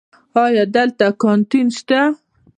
ایا دلته کانتین شته؟